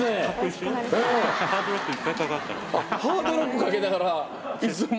ハードロックかけながらいつも。